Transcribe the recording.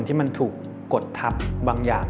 ที่มันถูกกดทับบางอย่าง